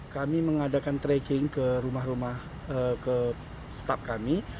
kami mengadakan tracking ke rumah rumah ke staff kami